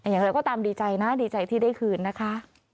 อย่างไรก็ตามดีใจนะดีใจที่ได้คืนนะคะ